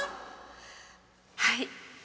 はい。